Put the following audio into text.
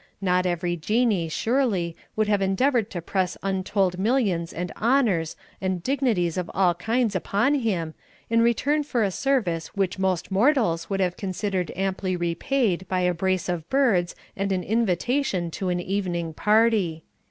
Not every Jinnee, surely, would have endeavoured to press untold millions and honours and dignities of all kinds upon him, in return for a service which most mortals would have considered amply repaid by a brace of birds and an invitation to an evening party.